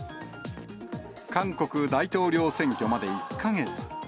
韓国大統領選挙まで１か月。